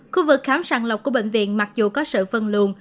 khu vực khám sàng lọc của bệnh viện mặc dù có sự phân luồn